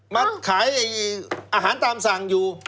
มาขายอาหารตามสั่งอยู่